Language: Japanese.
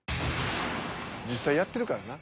実際やってるからな。